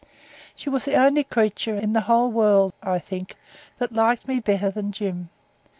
She was the only creature in the whole world, I think, that liked me better than Jim.